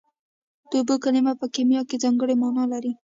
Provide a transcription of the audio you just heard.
د اوبو کلمه په کیمیا کې ځانګړې مانا لري